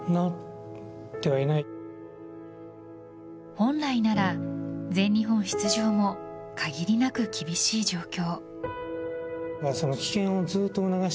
本来なら全日本出場を限りなく厳しい状況。